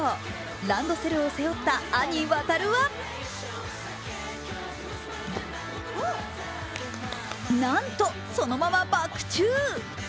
ランドセルを背負った兄・航はなんと、そのままバク宙。